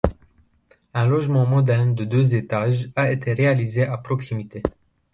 Un logement moderne de deux étages a été réalisé à proximité.